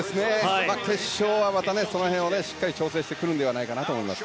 決勝はまたその辺をしっかり調整してくるんじゃないかと思います。